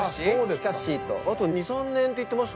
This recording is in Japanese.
あと２３年って言ってたね。